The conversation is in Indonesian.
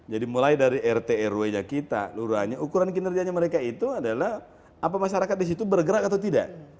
jadi mulai dari rt rw nya kita luruhannya ukuran kinerjanya mereka itu adalah apa masyarakat disitu bergerak atau tidak